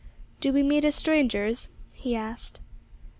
'Do we meet as strangers?' he asked.